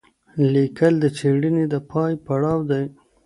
لیکل د څېړني د پای پړاو دی.